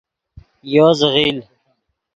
یو زیغیل